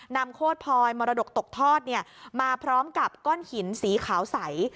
โคตรพลอยมรดกตกทอดมาพร้อมกับก้อนหินสีขาวใส